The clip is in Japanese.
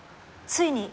ついに。